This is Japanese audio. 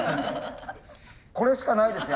これしかないです